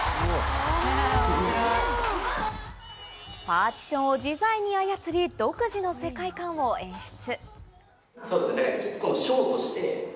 パーティションを自在に操り、独自の世界観を演出。